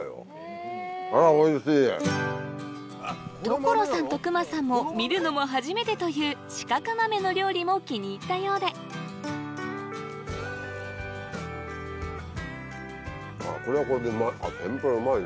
所さんと隈さんも見るのも初めてという四角豆の料理も気に入ったようでこれはこれでうまい。